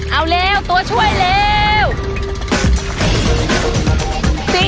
เอาเร็วตัวช่วยเร็ว